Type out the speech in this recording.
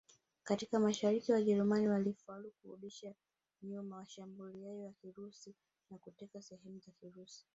Katika Mashariki Wajerumani walifaulu kurudisha nyuma mashambulio ya Kirusi na kuteka sehemu za Urusi